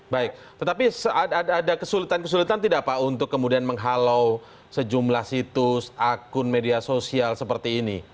baik tetapi ada kesulitan kesulitan tidak pak untuk kemudian menghalau sejumlah situs akun media sosial seperti ini